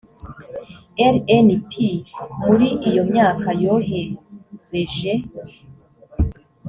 rnp muri iyo myaka yohereje